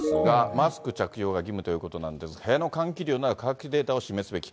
マスク着用が義務ということなんですが、部屋の換気量など換気データを示すべき。